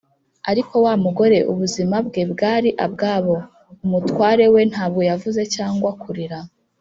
ariko wa mugore ubuzima bwe bwari abwabo - umutware we - ntabwo yavuze cyangwa kurira.